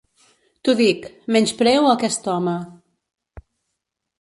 T'ho dic, menyspreo a aquest home.